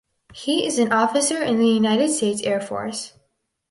He is an officer in the United States Air Force.